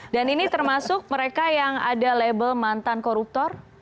dan ini termasuk mereka yang ada label mantan koruptor